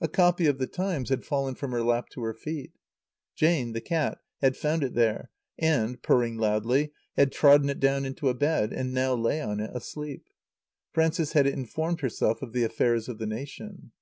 A copy of the Times had fallen from her lap to her feet. Jane, the cat, had found it there, and, purring loudly, had trodden it down into a bed, and now lay on it, asleep. Frances had informed herself of the affairs of the nation.